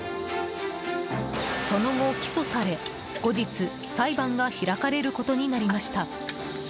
その後起訴され、後日裁判が開かれることになりました。